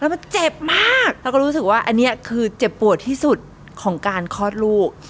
มันเจ็บมากแล้วก็รู้สึกว่าอันนี้คือเจ็บปวดที่สุดของการคลอดลูก